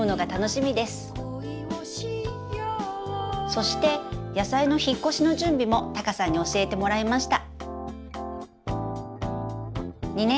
そして野菜の引っ越しの準備もタカさんに教えてもらいました」。